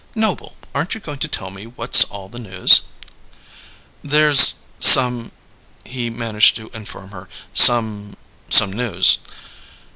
"Noble, aren't you going to tell me what's all the news?" "There's some," he managed to inform her. "Some some news."